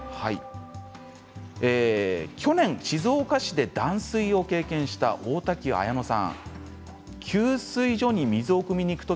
去年、静岡市で断水を経験した大滝綾乃さんです。